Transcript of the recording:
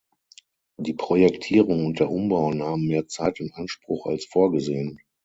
Die Projektierung und der Umbau nahmen mehr Zeit in Anspruch als vorgesehen.